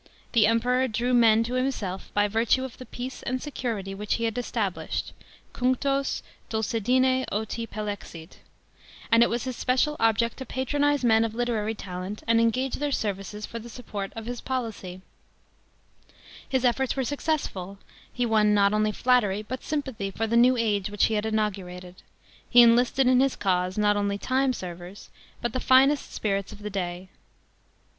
The Emperor drew men to himself by virtue of the peace and security which he had established (cunctos dulcedine otii pdlexit *); and it was his special object to patronise men of literary talent and engage their services for the support of his policy. His efforts were successful ; he won not only flattery, but sympathy for the new age which he had inaugurated ; he enlisted in his cause, not * Tacitus, Annals, 1. 2. 150 LITERATURE OP THE AUGUSTAN AGE. CHAP. XL only timeservers, but the finest spirits of the day.